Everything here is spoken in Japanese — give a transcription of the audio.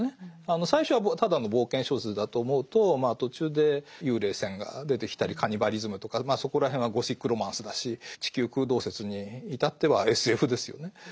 最初はただの冒険小説だと思うと途中で幽霊船が出てきたりカニバリズムとかそこら辺はゴシック・ロマンスだし地球空洞説に至ってはＳＦですよね。